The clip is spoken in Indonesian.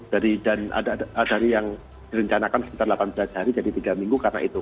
dan ada yang direncanakan sekitar delapan belas hari jadi tiga minggu karena itu